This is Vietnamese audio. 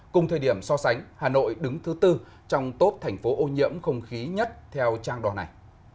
cùng thời điểm so sánh hà nội đứng thứ tư trong top thành phố ô nhiễm không khí nhất theo trang đo này